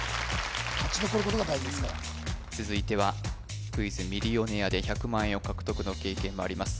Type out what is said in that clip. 勝ち残ることが大事ですから続いては「クイズ＄ミリオネア」で１００万円を獲得の経験もあります